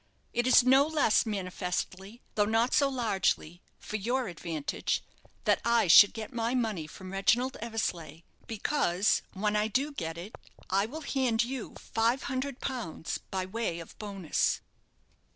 It is no less manifestly, though not so largely, for your advantage, that I should get my money from Reginald Eversleigh, because, when I do, get it, I will hand you five hundred pounds by way of bonus."